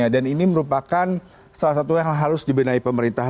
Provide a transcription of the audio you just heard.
dan ini merupakan salah satu hal yang harus dibina pemerintah